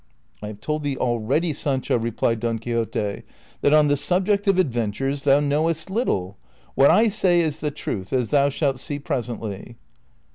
" I have told thee already, Sancho," replied Don Quixote, '• that on the subject of adventures thou knowest little. AVhat I say is the truth, as thou shalt see presently."